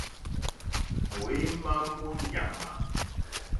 Mǒémá mó ɲàmà.